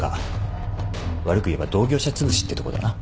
悪く言えば同業者つぶしってとこだな。